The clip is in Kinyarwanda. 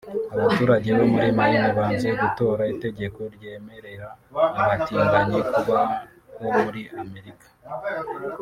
Abaturage bo muri Maine banze gutora itegeko ryemerera abatinganyi kubaho muri Amerika